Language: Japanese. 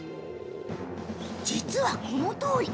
実は、このとおり。